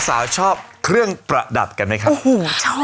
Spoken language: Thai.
สาวชอบเครื่องประดับกันไหมครับโอ้